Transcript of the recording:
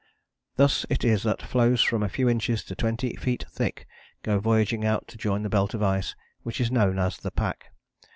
Thus it is that floes from a few inches to twenty feet thick go voyaging out to join the belt of ice which is known as the pack.